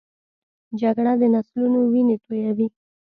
جګړه د نسلونو وینې تویوي